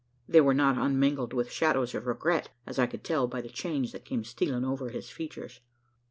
They were not unmingled with shadows of regret: as I could tell by the change that came stealing over his features.